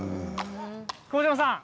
窪島さん